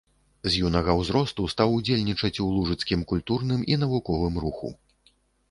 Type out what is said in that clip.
З юнага ўзросту стаў удзельнічаць у лужыцкім культурным і навуковым руху.